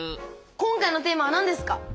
今回のテーマはなんですか？